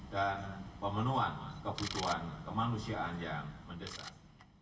dan pemenuhan kebutuhan kemanusiaan yang mendesak